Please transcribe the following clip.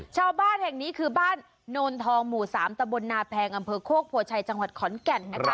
ชาวบ้านแห่งนี้คือบ้านโนนทองหมู่๓ตะบลนาแพงอำเภอโคกโพชัยจังหวัดขอนแก่นนะคะ